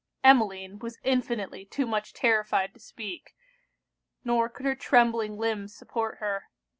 Emmeline was infinitely too much terrified to speak: nor could her trembling limbs support her.